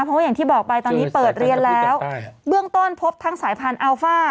เพราะว่าอย่างที่บอกไปตอนนี้เปิดเรียนแล้วเบื้องต้นพบทั้งสายพันธุ์อัลฟ่า